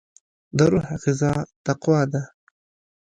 دروح غذا تقوا